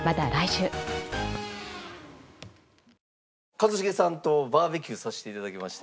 一茂さんとバーベキューさせて頂きまして。